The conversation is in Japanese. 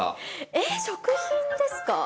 えっ食品ですか？